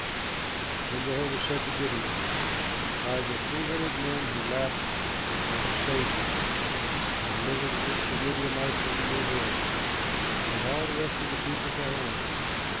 Then Jehovah said to Gideon, "By the three hundred men who lapped I will save you and deliver the Midianites into your hands. Let all the rest of the people go home."